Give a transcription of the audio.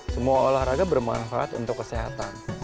semua olahraga bermanfaat untuk kesehatan